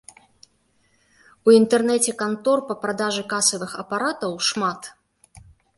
У інтэрнэце кантор па продажы касавых апаратаў шмат.